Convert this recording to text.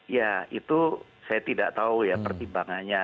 ya itu saya tidak tahu ya pertimbangannya